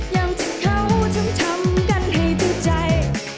อย่างที่เขาจึงทำกันให้ถึงใจ